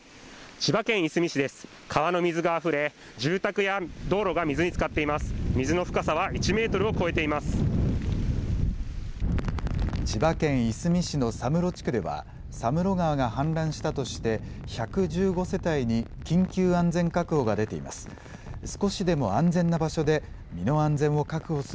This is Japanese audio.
千葉県いすみ市の佐室地区では、佐室川が氾濫したとして、１１５世帯に緊急安全確保が出ています。